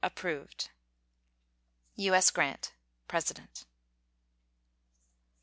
Approved: U.S. GRANT, President.